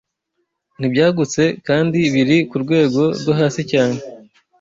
ntibyagutse kandi biri ku rwego rwo hasi cyane